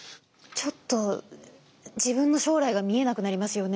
ちょっと自分の将来が見えなくなりますよね。